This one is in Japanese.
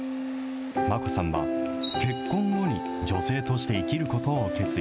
マコさんは、結婚後に女性として生きることを決意。